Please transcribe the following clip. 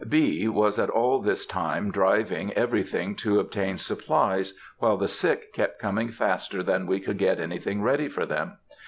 B. was all this time driving everything to obtain supplies, while the sick kept coming faster than we could get anything ready for them.